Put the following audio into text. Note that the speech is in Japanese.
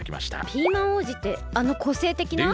ピーマン王子ってあのこせいてきな？